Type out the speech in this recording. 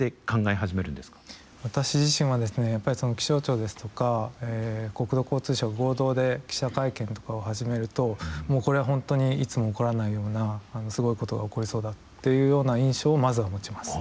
私自身はですね気象庁ですとか国土交通省合同で記者会見とかを始めるともうこれは本当にいつも起こらないようなすごいことが起こりそうだっていうような印象をまずは持ちます。